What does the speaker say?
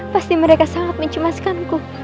pasti mereka sangat mencemaskanku